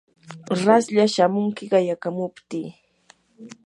raslla shamunki qayakamuptii.